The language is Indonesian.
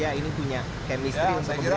pak surya ini punya kemistri yang berbeda